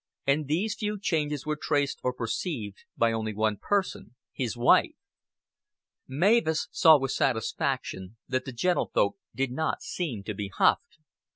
And these few changes were traced or perceived by only one person, his wife. Mavis saw with satisfaction that the gentlefolk did not seemed to be huffed.